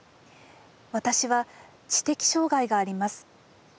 「私は知的障害があります